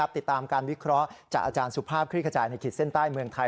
ติดตามการวิเคราะห์จากอาจารย์สุภาพคลิกขจายในขีดเส้นใต้เมืองไทย